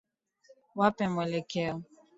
Wape mwelekeo.